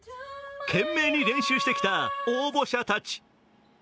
懸命に練習してきた応募者たち。